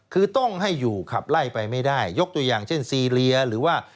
คือต้องให้อยู่ขับไล่ไปไม่ได้ยกตัวอย่างเช่นซีเรียหรือว่า